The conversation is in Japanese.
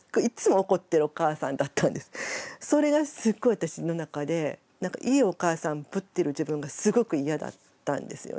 私の中でいいお母さんぶってる自分がすごく嫌だったんですよね。